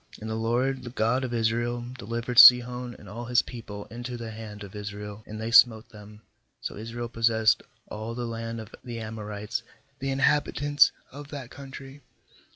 ^And the LOED, the God of Israel, delivered Sihon and all his people into the hand of Israel, and they smote them; so Israel possessed all the land of the Amorites, the in habitants of that country.